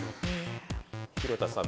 廣田さん